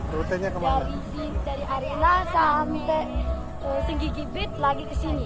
dari sini dari area nasa sampai senggigi beach lagi ke sini